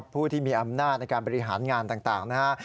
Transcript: ผู้ที่มีอำนาจในการบริหารงานต่างนะฮะ